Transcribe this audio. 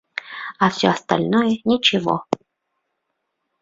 А всё остальное ничего.